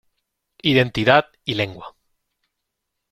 Identidad y Lengua.